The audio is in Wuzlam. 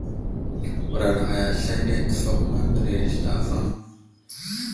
Huraɗ ghay aslane təfakuma mərəz zlavaŋ.